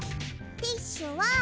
ティッシュは。